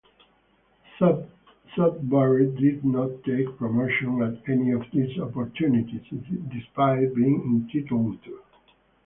Sudbury did not take promotion at any of these opportunities, despite being entitled to.